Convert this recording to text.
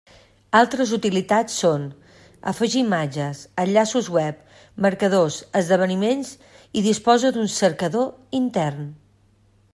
Altres utilitats són: afegir imatges, enllaços web, marcadors, esdeveniments i disposa d'un cercador intern.